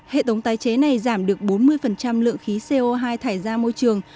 hệ thống tái chế này giảm được bốn mươi lượng khí co hai thải ra môi trường